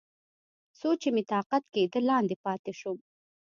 څو چې مې طاقت کېده، لاندې پاتې شوم.